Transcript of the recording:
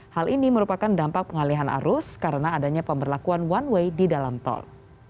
hal ini merupakan dampak pengalihan arus karena adanya pemberlakuan one way di dalam tol